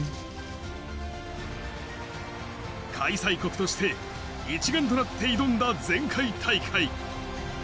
開催国として一丸となって挑んだ前回大会。